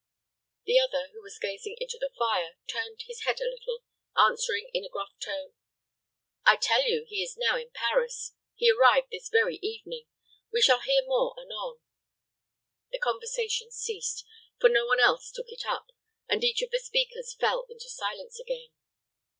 The other, who was gazing into the fire, turned his head a little, answering in a gruff tone, "I tell you he is now in Paris. He arrived this very evening. We shall hear more anon." The conversation ceased; for no one else took it up, and each of the speakers fell into silence again.